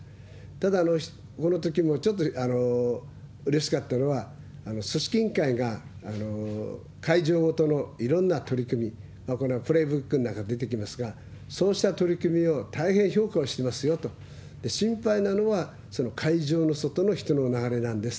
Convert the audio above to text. ただ、あのときもちょっとうれしかったのは、組織委員会が会場ごとのいろんな取り組み、これはプレーブックの中に出てきますが、そうした取り組みを大変評価をしてますよと、心配なのは、その会場の外の人の流れなんです。